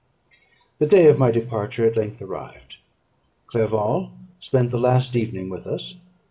The day of my departure at length arrived. Clerval spent the last evening with us.